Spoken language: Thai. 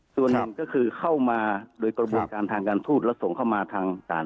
ส่วนหนึ่งก็คือเข้ามาโดยกระบวนการทางการทูตแล้วส่งเข้ามาทางศาล